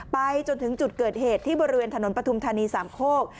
ไปจนถึงจุดเกิดเหตุที่บริเวณถนนปฐุมธานีสามโคก